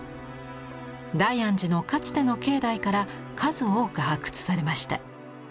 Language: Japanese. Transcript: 大安寺のかつての境内から数多く発掘されました。